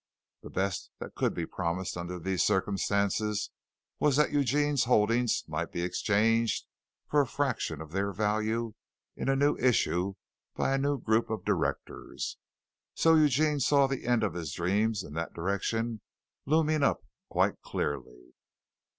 The best that could be promised under these circumstances was that Eugene's holdings might be exchanged for a fraction of their value in a new issue by a new group of directors. So Eugene saw the end of his dreams in that direction looming up quite clearly.